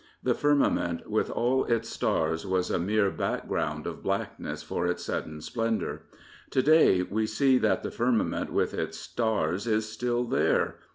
The firmament with all its stars was a mere background of blackness for its sudden splendour. To day we see that the fiiig^ent with its stars is still there.